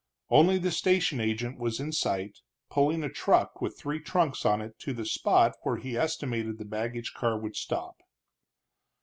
Only the station agent was in sight, pulling a truck with three trunks on it to the spot where he estimated the baggage car would stop.